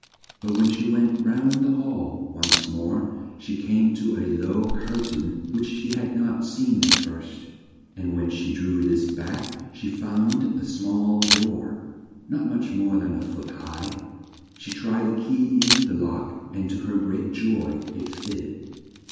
But when she went round the hall once more she came to a low cur tain which she had not seen at first, and when she drew this back she found a small door, not much more than a foot high; she tried the key in the lock, and to her great joy it fit ted!